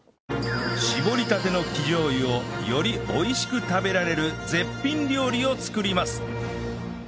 搾りたての生醤油をより美味しく食べられる絶品料理を作ります